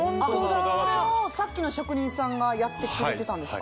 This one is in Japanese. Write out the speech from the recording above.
それをさっきの職人さんがやってくれてたんですか？